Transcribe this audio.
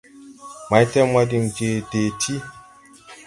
Maytemwa diŋ je dee ti.